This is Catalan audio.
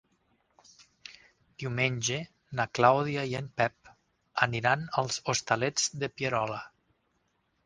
Diumenge na Clàudia i en Pep aniran als Hostalets de Pierola.